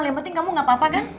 yang penting kamu gak apa apa kan